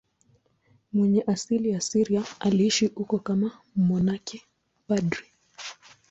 Mwenye asili ya Syria, aliishi huko kama mmonaki padri.